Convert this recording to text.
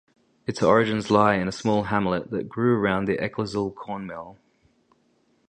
Its origins lie in a small hamlet that grew around the Ecclesall Corn Mill.